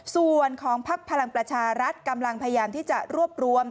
ส่วนของพักพลังประชารัฐกำลังพยายามที่จะรวบรวม